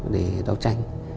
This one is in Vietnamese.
để đấu tranh